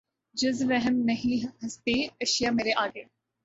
جز وہم نہیں ہستیٔ اشیا مرے آگے